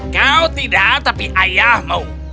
kau tidak tapi ayahmu